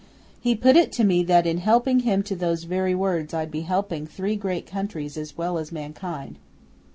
He put it to me that in helping him to those very words I'd be helping three great countries as well as mankind.